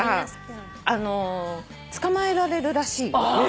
捕まえられるらしいよ。